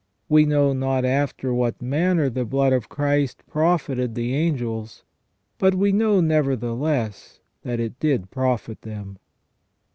We know not after what manner the blood of Christ profited the angels; but we know nevertheless that it did profit them."